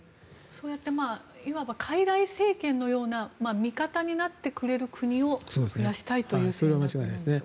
そうやっていわばかいらい政権のような味方になってくれる国をそれは間違いないですね。